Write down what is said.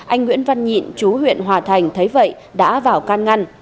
anh nguyễn văn nhịn chú huyện hòa thành thấy vậy đã vào can ngăn